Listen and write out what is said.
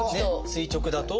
垂直だと。